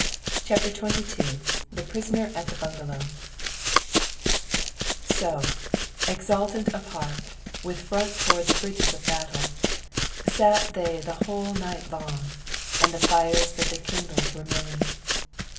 CHAPTER XXII THE PRISONER AT THE BUNGALOW So, exultant of heart, with front toward the bridges of battle, Sat they the whole night long, and the fires that they kindled were many.